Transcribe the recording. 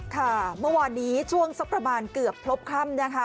ค่ะเมื่อวานนี้ช่วงสักประมาณเกือบพบค่ำนะคะ